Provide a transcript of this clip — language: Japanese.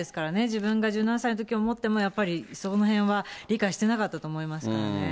自分が１７歳のときを思っても、やっぱりそのへんは理解してなかったと思いますからね。